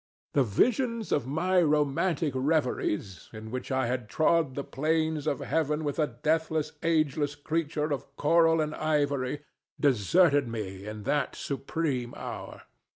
The visions of my romantic reveries, in which I had trod the plains of heaven with a deathless, ageless creature of coral and ivory, deserted me in that supreme hour.